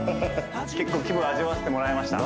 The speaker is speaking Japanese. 結構気分味わせてもらいました